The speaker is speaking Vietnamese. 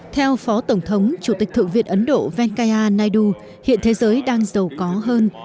theo phó tổng thống chủ tịch thượng viện ấn độ venkaya naidu hiện thế giới đang giàu có hơn